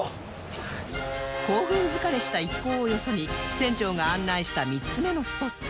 興奮疲れした一行をよそに船長が案内した３つ目のスポット